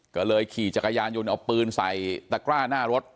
ก็เลยขี่จักรยานยนต์เอาปืนใส่ตะกร้าหน้ารถ